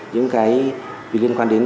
những cái liên quan đến